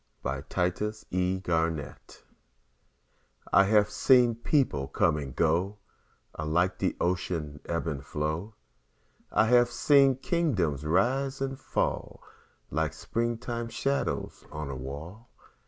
Paul Laurence Dunbar Old I HAVE seen peoples come and go Alike the Ocean'd ebb and flow; I have seen kingdoms rise and fall Like springtime shadows on a wall.